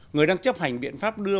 người đang chấp hành biện pháp đưa